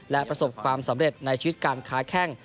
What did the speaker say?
และประสบความสำเร็จในชีวิตการค้าแข้ง